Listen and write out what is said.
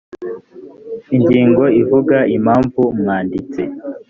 ingingo ivuga impamvu umwanditsi